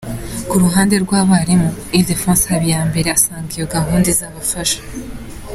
Ku ruhande rw’abarimu, Ildephonse Habiyambere asanga iyo gahunda izabafasha.